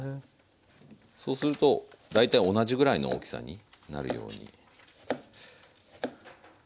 そうすると大体同じぐらいの大きさになるように切れますね。